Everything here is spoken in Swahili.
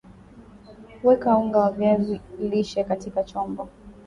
weka unga wa viazi lishe katika chombo